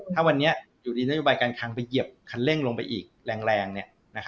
ถ้าวันนี้อยู่ดีนโยบายการคังไปเหยียบคันเร่งลงไปอีกแรง